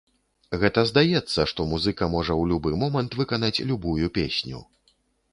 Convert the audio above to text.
Гэта здаецца, што музыка можа ў любы момант выканаць любую песню.